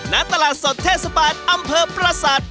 ณตลาดสดเทศบาลอำเภอประสาท